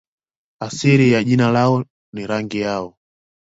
Asili ya jina lao ni rangi yao.